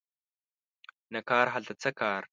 نه کار هلته څه کار